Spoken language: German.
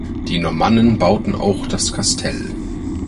Die Normannen bauten auch das Kastell.